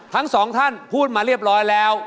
ทั้งสองท่านพูดมาเรียบร้อยแล้ว